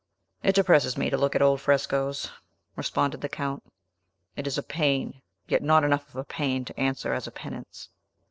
"It depresses me to look at old frescos," responded the Count; "it is a pain, yet not enough of a pain to answer as a penance."